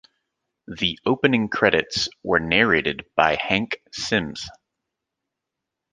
The opening credits were narrated by Hank Simms.